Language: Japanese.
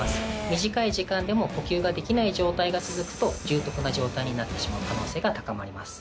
短い時間でも呼吸ができない状態が続くと重篤な状態になってしまう可能性が高まります。